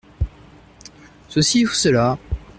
Ceci ou cela.